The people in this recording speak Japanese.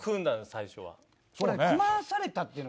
最初は。